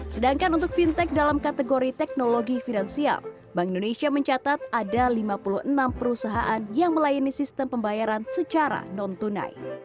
sedangkan untuk fintech dalam kategori teknologi finansial bank indonesia mencatat ada lima puluh enam perusahaan yang melayani sistem pembayaran secara non tunai